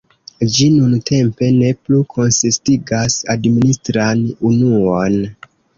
Ĝi nuntempe ne plu konsistigas administran unuon.